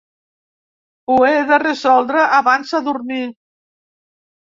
Ho he de resoldre abans de dormir.